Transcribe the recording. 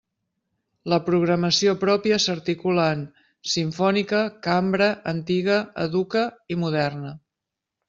La programació pròpia s'articula en: simfònica, cambra, antiga, educa i moderna.